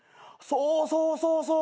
そうそうそうそう。